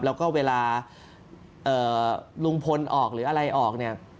แล้วก็เวลาลุงพลออกหรืออะไรออกเนี่ย